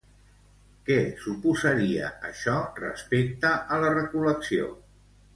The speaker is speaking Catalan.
Què suposaria això respecte a la recol·lecció?